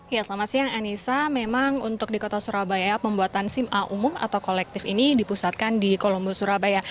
ya selamat siang anissa memang untuk di kota surabaya pembuatan sim a umum atau kolektif ini dipusatkan di kolombo surabaya